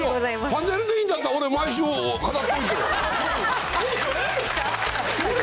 パネルでいいんだったら、俺毎週、飾っといてよ。